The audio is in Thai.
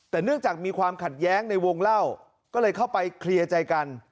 แต่เนื่องจากมีความขัดแย้งในวงเล่าก็เลยเข้าไปเคลียร์ใจกัน